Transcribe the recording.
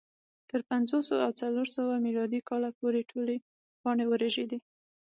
تر پنځوس او څلور سوه میلادي کاله پورې ټولې پاڼې ورژېدې